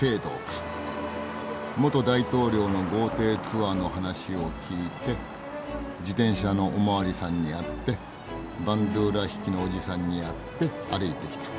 元大統領の豪邸ツアーの話を聞いて自転車のお巡りさんに会ってバンドゥーラ弾きのおじさんに会って歩いてきた。